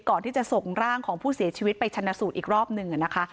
ก่อนที่จะส่งร่างของผู้เสียชีวิตไปชนะสูตรอีกรอบหนึ่งนะคะ